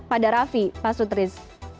pada raffi pak sutris